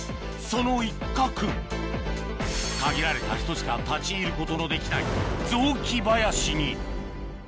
その一角限られた人しか立ち入ることのできないいや。